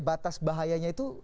batas bahayanya itu